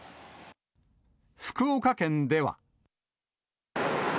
福岡県では。